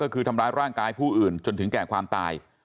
ก็คือทำร้ายร่างกายผู้อื่นจนถึงแก่ความตาย